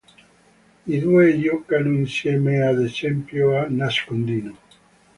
I due giocano insieme, ad esempio, a nascondino.